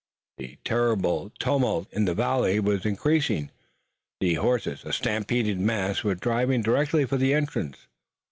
The terrible tumult in the valley was increasing. The horses, a stampeded mass, were driving directly for the entrance.